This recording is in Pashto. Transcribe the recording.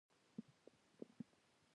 کوم کسر چې د دوی ترمنځ موجود دی